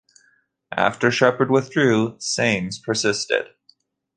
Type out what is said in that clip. After Shepherd withdrew, Sammes persisted.